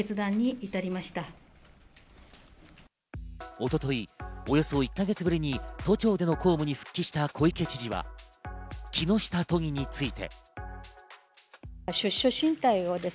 一昨日、およそ１か月ぶりに都庁での公務に復帰した小池都知事は木下都議について。